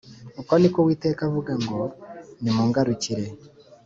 uku ni ko uwiteka avuga ngo nimungarukire